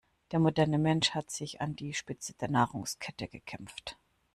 Der moderne Mensch hat sich an die Spitze der Nahrungskette gekämpft.